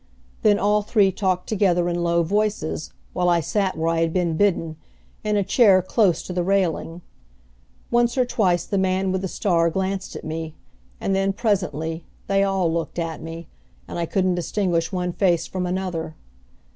Then all three talked together in low voices, while I sat where I had been bidden, in a chair close to the railing. Once or twice the man with the star glanced at me, and then, presently, they all looked at me, and I couldn't distinguish one face from another.